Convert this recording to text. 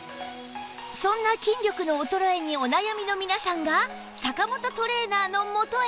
そんな筋力の衰えにお悩みの皆さんが坂本トレーナーの元へ